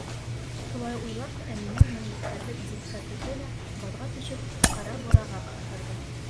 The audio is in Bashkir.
Шулай уйлап, Әминә меңлектәрҙе гәзиткә төрҙө лә, баҙға төшөп, ҡарабураға ҡыҫтырҙы.